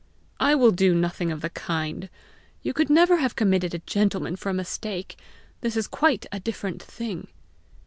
"I will do nothing of the kind. You could never have committed a gentleman for a mistake. This is quite a different thing!"